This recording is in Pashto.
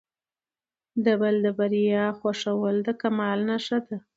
د بل د بریا خوښول د کمال نښه ده.